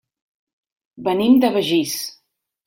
Venim de Begís.